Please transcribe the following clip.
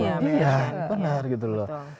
iya benar gitu loh